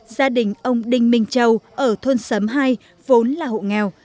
gia đình ông đinh minh châu ở thôn sấm hai vốn là hộ nghèo